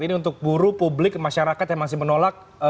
ini untuk buruh publik masyarakat yang masih menolak